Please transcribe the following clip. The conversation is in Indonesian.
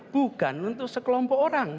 bukan untuk sekelompok orang